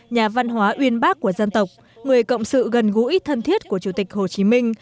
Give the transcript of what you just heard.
nhà văn hóa uyên bác của dân tộc người cộng sự gần gũi thân thiết của chủ tịch hồ chí minh